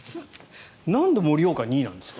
なんで盛岡、２位なんですか？